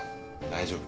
大丈夫。